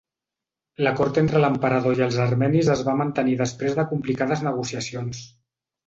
L'acord entre l'emperador i els armenis es va mantenir després de complicades negociacions.